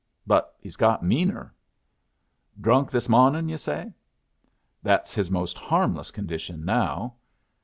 But he's got meaner." "Drunk this mawnin', yu' say?" "That's his most harmless condition now."